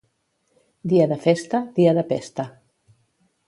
Dia de festa, dia de pesta.